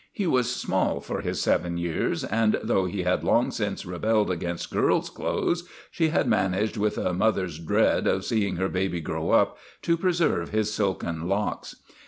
He was small for his seven years, and though he had long since rebelled against " girls' clothes," she had managed, with a mother's dread of seeing her baby grow up, to preserve his silken locks.